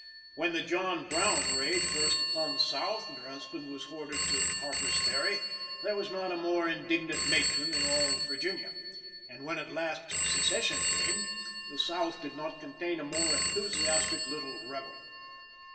When the John Brown raid burst upon the South and her husband was ordered to Harper's Ferry, there was not a more indignant matron in all Virginia, and when at last secession came, the South did not contain a more enthusiastic little rebel.